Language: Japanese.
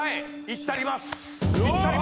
いったります！